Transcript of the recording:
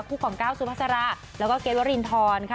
คู่ของก้าวซุภาษาระแล้วก็เกล็ดว่ารินทร